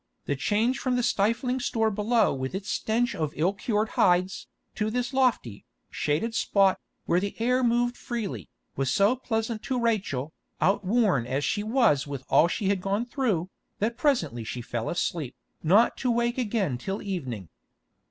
The change from the stifling store below with its stench of ill cured hides, to this lofty, shaded spot, where the air moved freely, was so pleasant to Rachel, outworn as she was with all she had gone through, that presently she fell asleep, not to wake again till evening.